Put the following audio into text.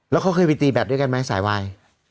แล้วเขาเคยไปตีแบบด้วยกันไหมสายวาย